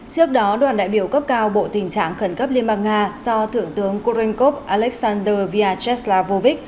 trước đó đoàn đại biểu cấp cao bộ tình trạng khẩn cấp liên bang nga do thượng tướng kurenkov alexander vyacheslavovic